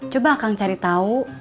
coba kang cari tau